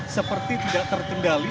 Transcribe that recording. seperti tidak terkendali